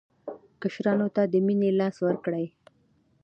کشرانو ته د مینې لاس ورکړئ.